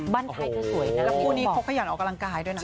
บ้านไทยเธอสวยนะแล้วคู่นี้เขาขยันออกกำลังกายด้วยนะ